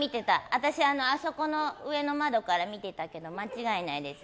私、あそこの上の窓から見てたけど間違いないです。